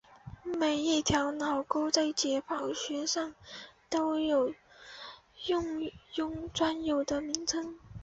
每一条脑沟在解剖学上都有专有名称。